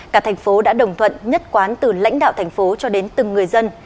cả thành phố đã đồng thuận nhất quán từ lãnh đạo thành phố cho đến từng người dân